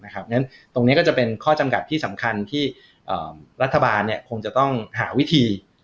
เพราะฉะนั้นตรงนี้ก็จะเป็นข้อจำกัดที่สำคัญที่รัฐบาลคงจะต้องหาวิธี